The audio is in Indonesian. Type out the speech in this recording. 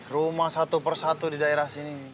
rumah satu persatu di daerah sini